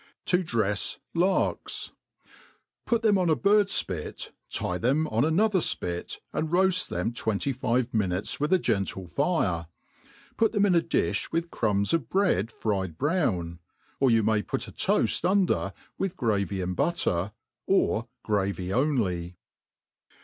To drefs Larks. ^^^ PUT them on a bird fpit, tie them on another (^\Jt^ '^ and roaft them twenty five minutes with a g^tle fire ^ put them in a di£h with crumbs of bread fried brown, or you may put a toaft under with gravy and butter, or gravy only.